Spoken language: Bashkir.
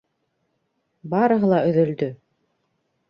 Барыһы ла өҙөлдө.